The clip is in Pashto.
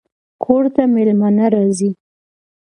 کور ته مېلمانه راځي